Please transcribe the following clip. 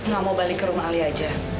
gak mau balik ke rumah ali aja